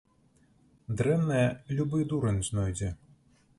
Дрэннае любы дурань знойдзе.